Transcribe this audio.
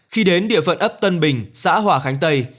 khi đến địa phận ấp tân bình xã hòa khánh tây